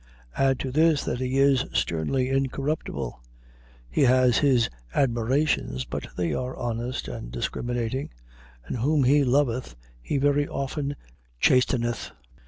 Add to this that he is sternly incorruptible. He has his admirations, but they are honest and discriminating; and whom he loveth he very often chasteneth.